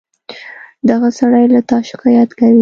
دغه سړى له تا شکايت کوي.